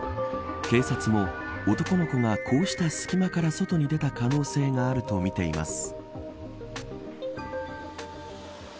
警察も男の子がこうした隙間から外に出た可能性があるとみています。